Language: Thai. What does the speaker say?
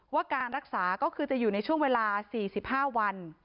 ว่าการรักษาก็คือจะอยู่ในช่วงเวลา๔๕วัน